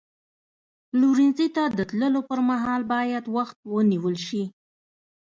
پلورنځي ته د تللو پر مهال باید وخت ونیول شي.